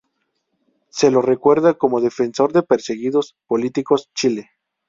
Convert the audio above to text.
Se lo recuerda como defensor de perseguidos políticos Chile.